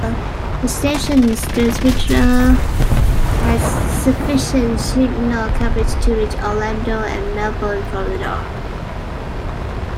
The station's transmitter has sufficient signal coverage to reach Orlando and Melbourne, Florida.